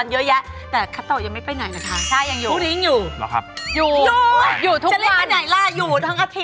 ใช่ค่ะสำหรับใครนะคะที่อยากจะดูรายการเราย้อนหลังนะคะ